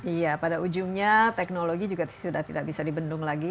iya pada ujungnya teknologi juga sudah tidak bisa dibendung lagi